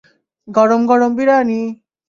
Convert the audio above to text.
গরম গরম বিরিয়ানি।